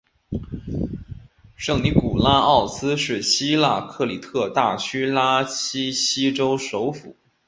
圣尼古拉奥斯是希腊克里特大区拉西锡州首府。